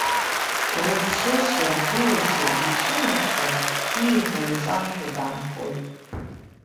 Рыԥшышьа, ргылашьа ицәымыӷханы, ииҳәара иҿамшәо даанхоит.